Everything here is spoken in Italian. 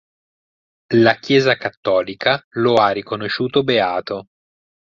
La Chiesa cattolica lo ha riconosciuto beato.